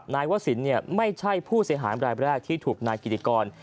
นายวศิลป์ไม่ใช่ผู้เสียหายรายแรกที่ถูกนายกิติกร